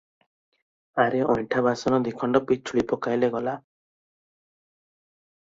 ଆରେ ଅଇଣ୍ଠା ବାସନ ଦିଖଣ୍ଡ ପିଛୁଳି ପକାଇଲେ ଗଲା ।